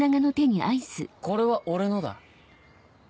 これは俺のだ。